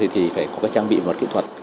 thì phải có cái trang bị mặt kỹ thuật